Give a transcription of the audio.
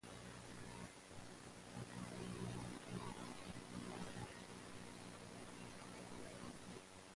The highest point in the Visalia-Porterville area is Mount Whitney.